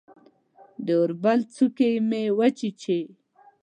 د اوربل څوکې مې چیچي